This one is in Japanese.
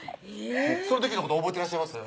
その時のこと覚えてらっしゃいます？